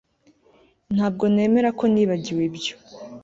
ntabwo nemera ko nibagiwe ibyo